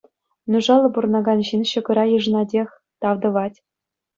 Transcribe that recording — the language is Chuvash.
Нушаллӑ пурӑнакан ҫын ҫӑкӑра йышӑнатех, тав тӑвать.